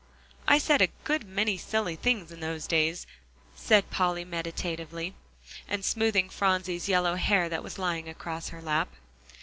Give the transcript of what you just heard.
"I said a good many silly things in those days," said Polly meditatively, and smoothing Phronsie's yellow hair that was lying across her lap.